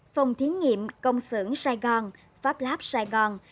phòng thiến nghiệm công sử sài gòn pháp lab sài gòn